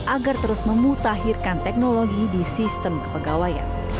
agar terus memutahirkan teknologi di sistem kepegawaian